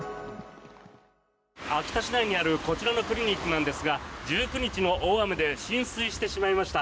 秋田市内にあるこちらのクリニックなんですが１９日の大雨で浸水してしまいました。